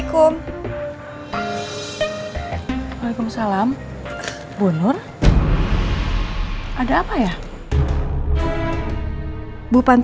selalu pernah dia padam